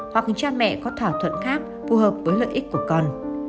hoặc cha mẹ có thỏa thuận khác phù hợp với lợi ích của con